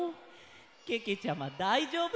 けけちゃまだいじょうぶ。